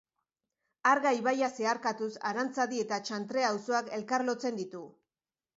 Arga ibaia zeharkatuz, Arantzadi eta Txantrea auzoak elkarlotzen ditu.